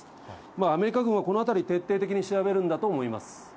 アメリカ軍はこのあたり、徹底的に調べるんだと思います。